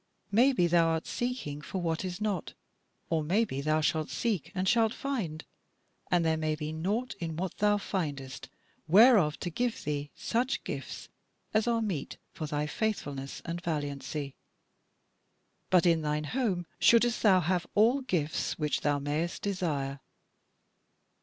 Maybe thou art seeking for what is not. Or maybe thou shalt seek and shalt find, and there may be naught in what thou findest, whereof to give thee such gifts as are meet for thy faithfulness and valiancy. But in thine home shouldst thou have all gifts which thou mayest desire."